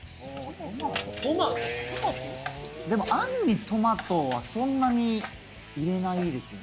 でもあんにトマトはそんなに入れないですよね